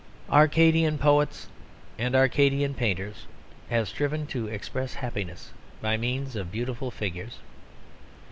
Arcadian poets and Arcadian painters have striven to express happiness by means of beautiful figures.